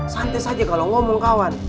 santai saja kalau ngomong kawan